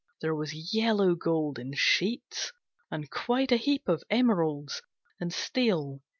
There was yellow gold in sheets, and quite A heap of emeralds, and steel.